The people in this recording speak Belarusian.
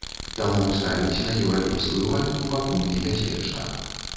Таму ставіць на еўрапейскую валюту пакуль небяспечна.